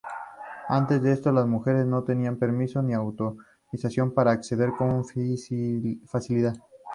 Antes de esto, las mujeres no tenían permiso ni autorización para acceder con facilidad.